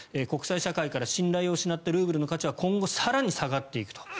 国際社会から信頼を失ったルーブルの価値は今後、更に下がっていくと。